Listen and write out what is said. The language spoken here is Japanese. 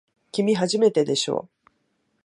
きみ、初めてでしょ。